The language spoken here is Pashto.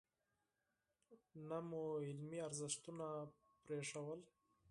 نه مو علمي ارزښتونه پرېښودل.